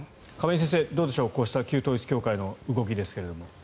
亀井先生、どうでしょう旧統一教会の動きですが。